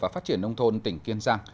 và phát triển nông thôn tỉnh kiên giang